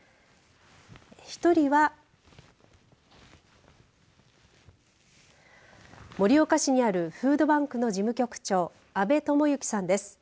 １人は盛岡市にあるフードバンクの事務局長阿部知幸さんです。